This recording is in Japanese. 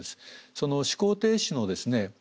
その思考停止のですね